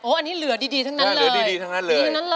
โอ้อันนี้เหลือดีทั้งนั้นเลย